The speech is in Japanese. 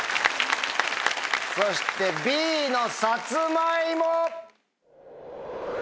そしてＢのさつまいも。